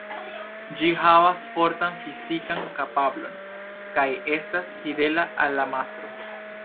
Ĝi havas fortan fizikan kapablon kaj estas fidela al la mastro.